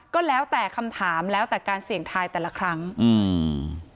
ก็แล้วแต่คำถามแล้วแต่การเสี่ยงทายแต่ละครั้งอืม